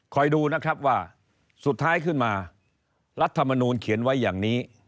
ดูนะครับว่าสุดท้ายขึ้นมารัฐมนูลเขียนไว้อย่างนี้